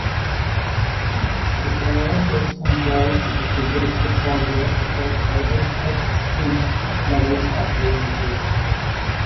The player takes control of a futuristic soldier across several flick-screen levels of gameplay.